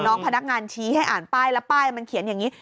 พนักงานชี้ให้อ่านป้ายแล้วป้ายมันเขียนอย่างนี้